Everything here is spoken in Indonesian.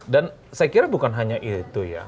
dan saya kira bukan hanya itu ya